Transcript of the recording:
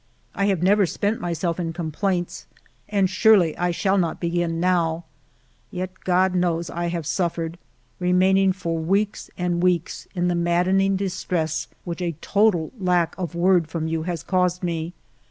I have never spent myself in complaints and surely I shall not begin now ; yet God knows I have suffered, re maining for weeks and weeks in the maddening distress which a total lack of word from you has caused me.